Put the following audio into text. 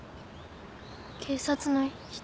警察の人？